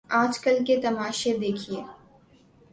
آج کل کے تماشے دیکھیے۔